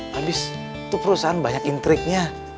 habis itu perusahaan banyak intriknya